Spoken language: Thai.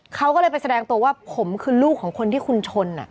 เขาก็เลยไปแสดงตัวว่าผมคือลูกของคนที่คุณชน